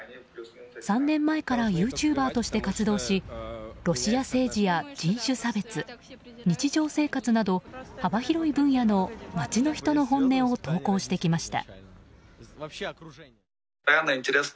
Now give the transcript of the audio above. ３年前からユーチューバーとして活動しロシア政治や人種差別日常生活など幅広い分野の街の人の本音を投稿してきました。